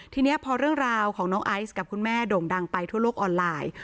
ทีนี้พอเรื่องราวของน้องไอซ์กับคุณแม่โด่งดังไปทั่วโลกออนไลน์